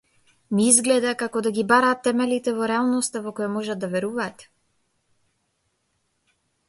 Ми изгледа како да ги бараат темелите во реалноста во која можат да веруваат.